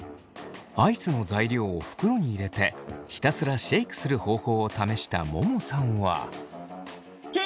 アイスの材料を袋に入れてひたすらシェイクする方法を試したももさんは。